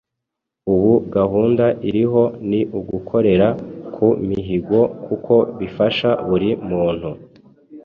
Ubu gahunda iriho ni ugukorera ku mihigo kuko bifasha buri muntu